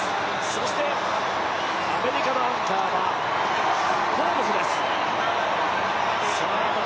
アメリカのアンカーはホームズです。